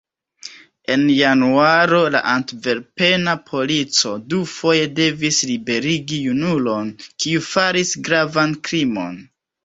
En januaro la antverpena polico dufoje devis liberigi junulon, kiu faris gravan krimon.